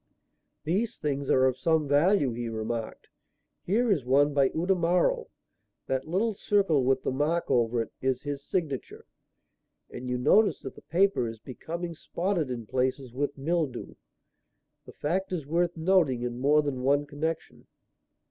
"These things are of some value," he remarked. "Here is one by Utamaro that little circle with the mark over it is his signature and you notice that the paper is becoming spotted in places with mildew. The fact is worth noting in more than one connection."